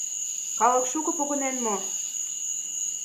Калык шуко погынен мо?